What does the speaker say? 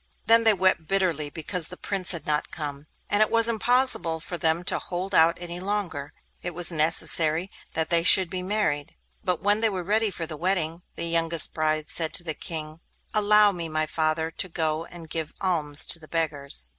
Then they wept bitterly because the Prince had not come, and it was impossible for them to hold out any longer; it was necessary that they should be married. But when they were ready for the wedding, the youngest bride said to the King: 'Allow me, my father, to go and give alms to the beggars.